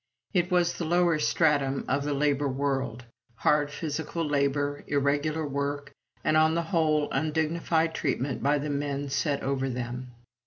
It was the lower stratum of the labor world hard physical labor, irregular work, and, on the whole, undignified treatment by the men set over them.